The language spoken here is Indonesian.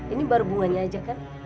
ini baru bunganya aja kan